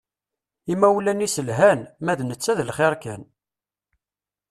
Imawlan-is lhan, ma d netta d lxiṛ kan.